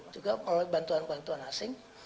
juga oleh bantuan bantuan asing